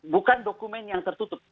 bukan dokumen yang tertutup